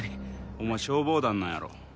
お前消防団なんやろ。